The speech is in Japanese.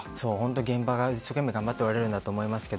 現場が一生懸命頑張っておられるんだと思うんですよ。